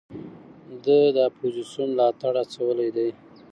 ده د اپوزېسیون ملاتړ هڅولی دی.